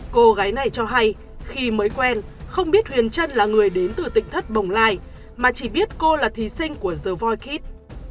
cô gái này cho hay khi mới quen không biết huyền trân là người đến từ tịch thất bồng lai mà chỉ biết cô là thí sinh của the voice kids